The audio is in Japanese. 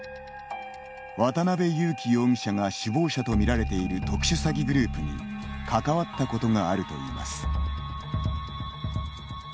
渡邉優樹容疑者が首謀者とみられている特殊詐欺グループに関わったことがあるといいます。